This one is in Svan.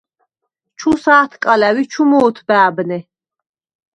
– ჩუ ს’ათკალა̈უ̂ ი ჩუ მ’ოთბა̄̈ბნე.